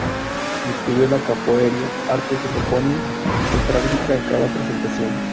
Descubrió la capoeira, arte que pone en práctica en cada presentación.